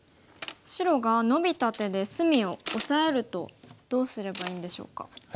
白がノビた手で隅をオサえるとどうすればいいんでしょうか。